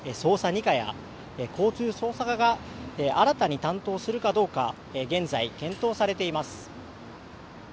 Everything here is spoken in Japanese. ２課や交通捜査課が新たに担当するかどうか現在、検討されています。